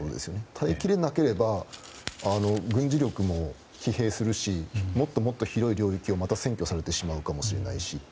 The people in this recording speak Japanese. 耐え切れなければ軍事力も疲弊するしもっともっと広い領域をまた占拠されてしまうかもしれないし。